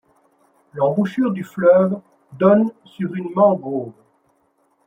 L'embouchure du fleuve donne sur une mangrove.